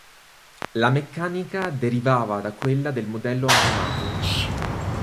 La meccanica derivava da quella del modello antenato.